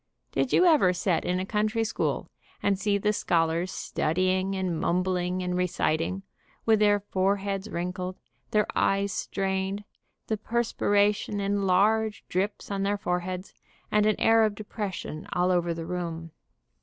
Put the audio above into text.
Did you ever set in a country school, and see the scholars studying, and mumbling, and reciting, with their fore heads wrinkled, their eyes strained, the perspiration in large drops on their foreheads, and an air of de pression all over the room.